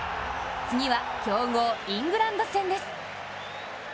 次は強豪・イングランド戦です。